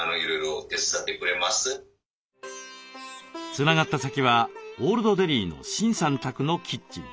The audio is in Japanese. つながった先はオールドデリーのシンさん宅のキッチン。